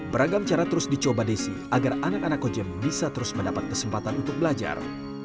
beragam cara terus dicoba desi agar anak anak kojem bisa terus mendapat kesempatan untuk belajar